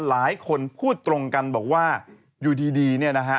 หลายคนพูดตรงกันบอกว่าอยู่ดีเนี่ยนะฮะ